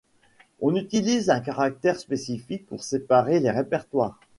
On utilise un caractère spécifique pour séparer les répertoires.